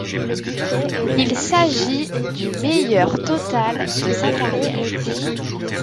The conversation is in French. Il s'agit du meilleur total de sa carrière.